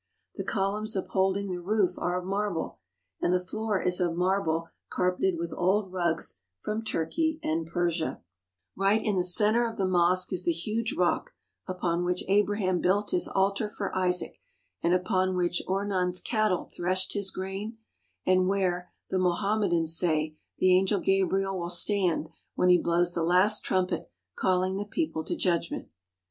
The columns upholding the roof are of marble, and the floor is of marble carpeted with old rugs from Turkey and Persia. 63 THE HOLY LAND AND SYRIA Right in the centre of the mosque is the huge rock upon which Abraham built his altar for Isaac, and upon which Oman's cattle threshed his grain, and where, the Mohammedans say, the Angel Gabriel will stand when he blows the last trump calling the people to judgment.